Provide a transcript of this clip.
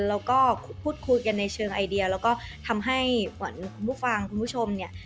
แล้วก็พูดคุยกันในเชิงไอเดียแล้วก็ทำให้ขวัญคุณผู้ฟังคุณผู้ชมเนี่ย